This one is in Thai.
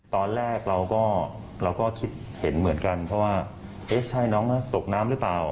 ตอนแรกเราก็เราก็คิดเห็นเหมือนกันเพราะว่าเอ๊ะใช่น้องตกน้ำหรือเปล่า